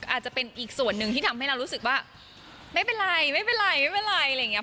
อาจแล้วเป็นอีกส่วนหนึ่งที่ทำให้เริ่มรู้สึกว่าไม่เป็นไร